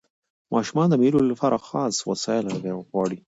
ماشومان د مېلو له پاره خاص وسایل غواړي.